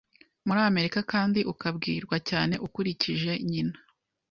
muri Amerika kandi ukabwirwa cyane ukurikije nyina